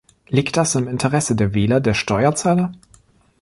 Liegt das im Interesse der Wähler, der Steuerzahler?